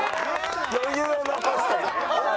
余裕を残して。